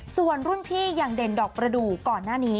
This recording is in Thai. ส่วนรุ่นพี่อย่างเด่นดอกประดูกก่อนหน้านี้